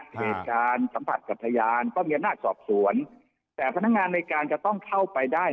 เหตุการณ์สัมผัสกับพยานก็มีอำนาจสอบสวนแต่พนักงานในการจะต้องเข้าไปได้